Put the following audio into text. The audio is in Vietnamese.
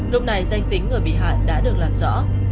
lúc này danh tính người bị hại đã được làm rõ